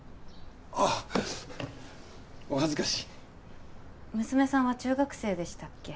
あっお恥ずかしい娘さんは中学生でしたっけ？